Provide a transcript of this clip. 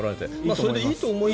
それでいいと思いますよ。